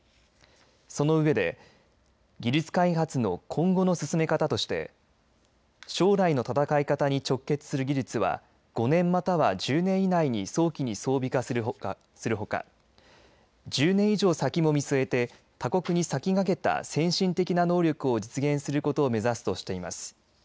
その上で技術開発の今後の進め方として将来の戦い方に直結する技術は５年または１０年以内に早期に装備化するほか１０年以上先も見据えて他国に先駆けた先進的な能力を実現することを目指すとしています。